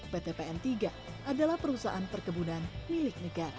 pt pn tiga adalah perusahaan perkebunan milik negara